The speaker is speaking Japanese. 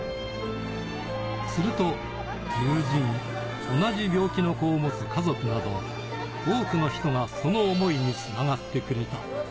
すると会社の同僚や友人、同じ病気の子を持つ家族など、多くの人がその思いに繋がってくれた。